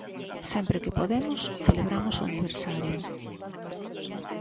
Sempre que podemos, celebramos o aniversario.